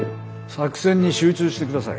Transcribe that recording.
作戦に集中して下さい。